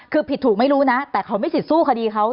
คือผิดถูกไม่รู้นะแต่เขามีสิทธิสู้คดีเขา